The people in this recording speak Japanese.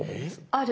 ある。